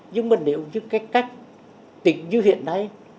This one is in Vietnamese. nhưng mà nếu như cách tính như hiện nay